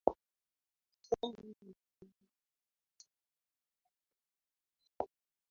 Somo nilipendalo sana ni la teknologia.